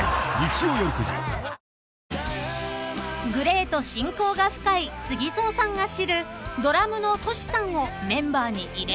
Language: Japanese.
［ＧＬＡＹと親交が深いＳＵＧＩＺＯさんが知るドラムのＴＯＳＨＩさんをメンバーに入れない理由とは？］